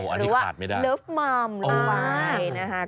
อันนี้ขาดไม่ได้หรือว่ารักแม่ล่ะอ๋อว้าว